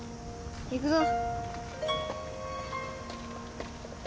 行くぞ。